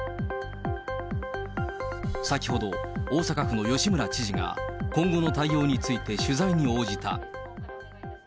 先ほど、大阪府の吉村知事が今後の対応について取材に応じた。